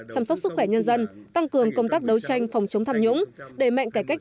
sắm sóc sức khỏe nhân dân tăng cường công tác đấu tranh phòng chống tham nhũng đề mệnh cải cách